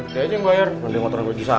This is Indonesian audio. dia aja yang bayar gondol ngotoran buat disahe